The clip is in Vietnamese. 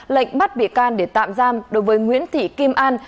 lệnh bắt bị can để tạm giam đối với nguyễn thị kim an